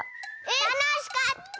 たのしかった！